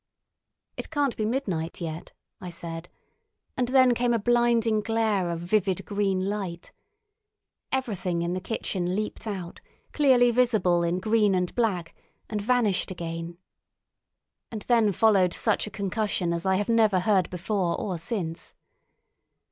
"It can't be midnight yet," I said, and then came a blinding glare of vivid green light. Everything in the kitchen leaped out, clearly visible in green and black, and vanished again. And then followed such a concussion as I have never heard before or since.